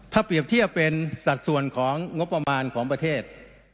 ถ้าเปรียบเทียบเป็นสัดส่วนของงบประมาณของประเทศ